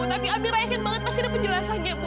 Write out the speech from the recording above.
tapi amir yakin banget pasti ada penjelasannya bu